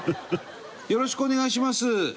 よろしくお願いします。